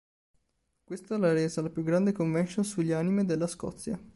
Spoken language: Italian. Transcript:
Questo l'ha resa la più grande convention sugli anime della Scozia.